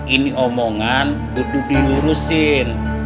ini omongan harus dilurusin